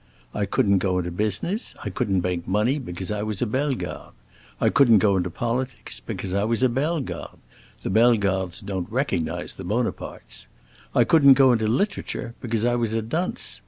I couldn't go into business, I couldn't make money, because I was a Bellegarde. I couldn't go into politics, because I was a Bellegarde—the Bellegardes don't recognize the Bonapartes. I couldn't go into literature, because I was a dunce.